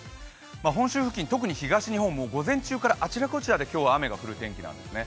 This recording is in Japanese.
本州付近、特に東日本、午前中からあちらこちらで今日は雨が降る天気なんですね。